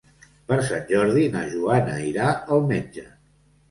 Per Sant Jordi na Joana irà al metge.